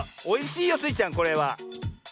おいしいよスイちゃんこれは。